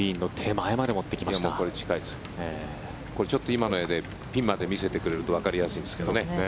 今の画でピンまで見せてくれるとわかりやすいんですけどね。